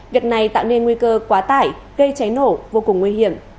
việc này tạo nên nguy cơ quá tải gây cháy nổ vô cùng nguy hiểm